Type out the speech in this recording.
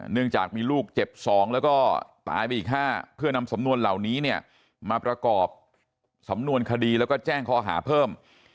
เนื่องจากมีลูกเจ็บ๒แล้วก็ตายไปอีก๕เพื่อนำสำนวนเหล่านี้เนี่ยมาประกอบสำนวนคดีแล้วก็แจ้งข้อหาเพิ่ม